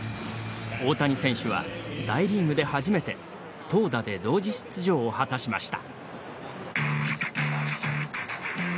大谷選手は、大リーグで初めて投打で同時出場を果たしました。